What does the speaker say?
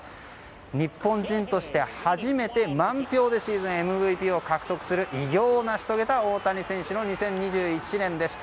日本人として初めて、満票でシーズンＭＶＰを獲得する偉業を成し遂げた、大谷選手の２０２１年でした。